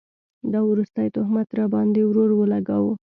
دا وروستی تهمت راباند ې ورور اولګوو